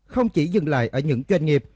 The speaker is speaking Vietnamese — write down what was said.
không chỉ dừng lại ở những doanh nghiệp